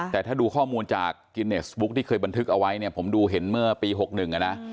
แต่ถ้าดูข้อมูลจากกินเนสบุ๊กที่เคยบันทึกเอาไว้เนี่ยผมดูเห็นเมื่อปี๖๑นะ